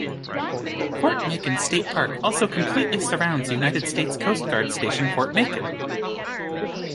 Fort Macon State Park also completely surrounds United States Coast Guard Station Fort Macon.